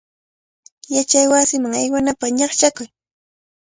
Yachaywasiman aywanapaq ñaqchakuy.